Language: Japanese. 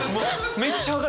めっちゃ分かる。